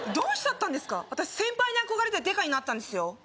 私先輩に憧れてデカになったんですよ